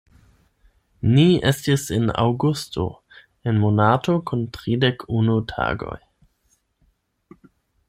Ni estis en Aŭgusto, en monato kun tridek-unu tagoj.